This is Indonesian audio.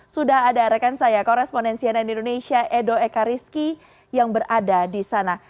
sudah ada rekan saya korespondensi ann indonesia edo ekariski yang berada di sana